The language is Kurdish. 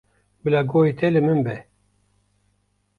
Bila guhê te li min be.